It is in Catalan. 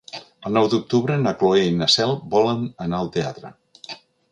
El nou d'octubre na Cloè i na Cel volen anar al teatre.